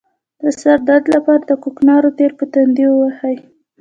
د سر درد لپاره د کوکنارو تېل په تندي ووهئ